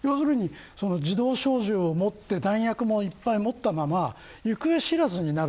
自動小銃を持って弾薬もいっぱい持ったまま行方知れずになる。